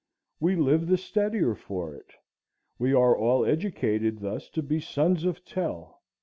We live the steadier for it. We are all educated thus to be sons of Tell.